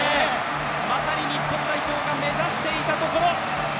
まさに日本代表が目指していたところ。